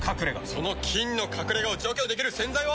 その菌の隠れ家を除去できる洗剤は。